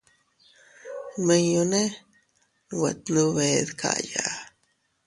Nminñune nwe tndube dkaya.